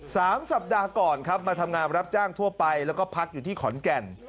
สามสัปดาห์ก่อนครับมาทำงานรับจ้างทั่วไปแล้วก็พักอยู่ที่ขอนแก่น